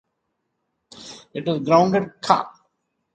It was grounded ca.